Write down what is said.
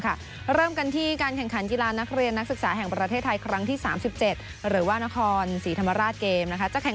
บอกว่าว่าการแตกเชียราอะไรให้แฟนชาวไทยได้เชียร์น้ากีฬากันบ้าง